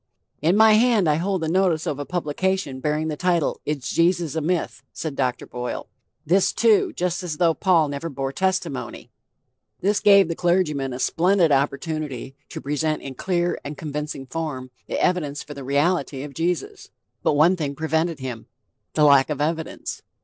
"In my hand I hold the notice of a publication bearing the title Is Jesus a Myth?" said Dr. Boyle. "This, too, just as though Paul never bore testimony." This gave the clergyman a splendid opportunity to present in clear and convincing form the evidence for the reality of Jesus. But one thing prevented him: the lack of evidence.